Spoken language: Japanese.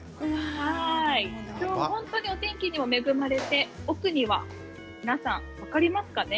本当にお天気にも恵まれて奥には皆さん分かりますかね。